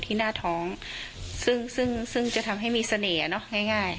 ที่หน้าท้องซึ่งซึ่งซึ่งจะทำให้มีเสน่เนอะง่ายง่าย